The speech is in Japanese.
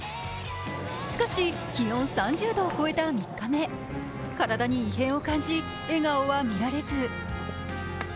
しかし、気温３０度を超えた３日目、体に異変を感じ、笑顔は見られず。